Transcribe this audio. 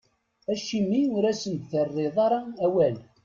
Acimi ur asen-terriḍ ara awal?